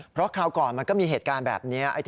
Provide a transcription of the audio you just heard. เพราะคราวก่อนมันก็มีเหตุการณ์แบบนี้